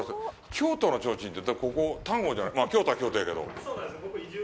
京都のちょうちんって、ここ、丹後じゃ、まあ、京都は京都やけど。